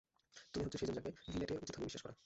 তুমিই হচ্ছো সেইজন যাকে লিনেটের উচিৎ হয়নি বিশ্বাস করা!